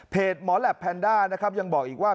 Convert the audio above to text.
เพจหมอแหลปแพนด้ายังบอกอีกว่า